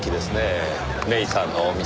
芽依さんのお店。